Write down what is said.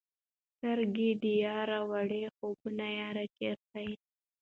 سترګي د یار وړه خوبونه یاره چیرته یې؟